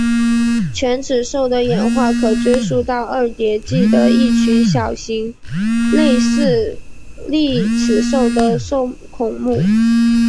犬齿兽的演化可追溯到二叠纪的一群小型类似丽齿兽的兽孔目。